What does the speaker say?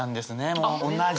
もう同じ！